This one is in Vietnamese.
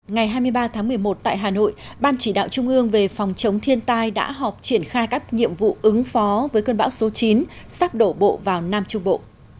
ngày hai mươi ba tháng một mươi một tại hà nội ban chỉ đạo trung ương về phòng chống thiên tai đã họp triển khai các nhiệm vụ ứng phó với cơn bão số chín sắp đổ bộ vào nam trung bộ